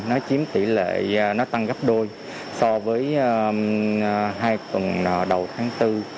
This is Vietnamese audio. nó chiếm tỷ lệ nó tăng gấp đôi so với hai tuần đầu tháng bốn